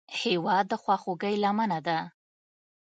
هېواد د خواخوږۍ لمنه ده.